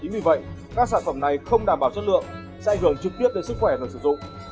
vì vậy các sản phẩm này không đảm bảo chất lượng sẽ ảnh hưởng trực tiếp đến sức khỏe người sử dụng